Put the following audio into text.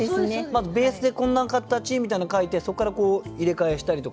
まずベースでこんな形みたいのを書いてそこから入れ替えしたりとか。